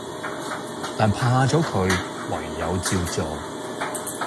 但怕左佢，唯有照做